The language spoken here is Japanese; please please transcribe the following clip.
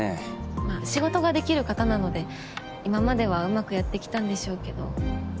まあ仕事ができる方なので今まではうまくやってきたんでしょうけど。